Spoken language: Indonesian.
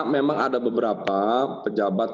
memang ada beberapa pejabat